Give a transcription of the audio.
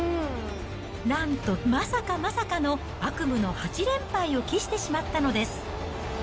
なんとまさかまさかの悪夢の８連敗を喫してしまったのです。